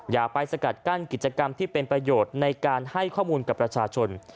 อย่าไปสกัดกั้นกิจกรรมที่เป็นประโยชน์ในการให้ข้อมูลกับประชาชน